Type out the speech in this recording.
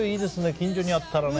近所にあったらね。